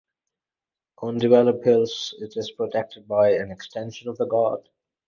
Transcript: On developed hilts it is protected by an extension of the guard.